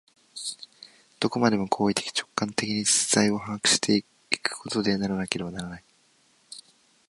どこまでも行為的直観的に実在を把握し行くことでなければならない。